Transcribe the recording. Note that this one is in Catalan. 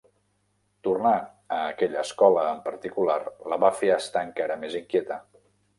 Tornar a aquella escola en particular la va fer estar encara més inquieta.